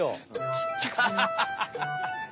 ちっちゃくさ。